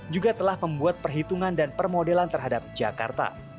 juga telah membuat perhitungan dan permodelan terhadap jakarta